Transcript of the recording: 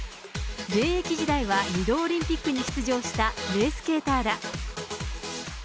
現役時代は２度オリンピックに出場した名スケーターだ。